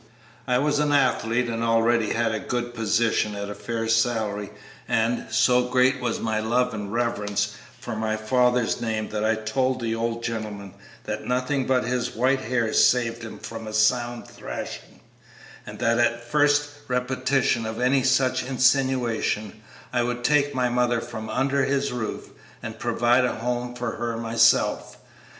I was an athlete and already had a good position at a fair salary, and so great was my love and reverence for my father's name that I told the old gentleman that nothing but his white hairs saved him from a sound thrashing, and that at the first repetition of any such insinuation I would take my mother from under his roof and provide a home for her myself.